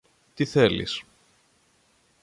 Τι θέλεις;